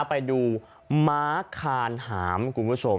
ไปดูม้าคานหามคุณผู้ชม